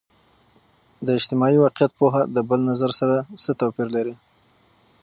د اجتماعي واقعیت پوهه د بل نظر سره څه توپیر لري؟